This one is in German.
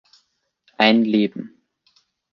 Ein Leben.